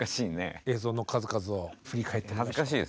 映像の数々を振り返ってみましょう。